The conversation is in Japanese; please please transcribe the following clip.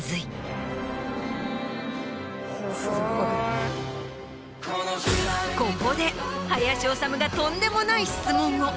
・すごい・ここで林修がとんでもない質問を。